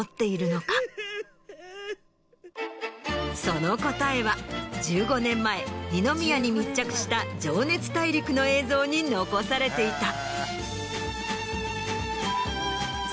その答えは１５年前二宮に密着した『情熱大陸』の映像に残されていた。